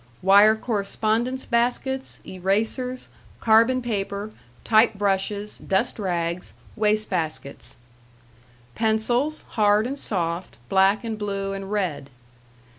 Wire correspondence baskets, erasers, carbon paper, type brushes, dust rags, waste baskets. Pencils, hard and soft, black and blue and red.